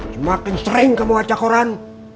semakin sering kamu baca koran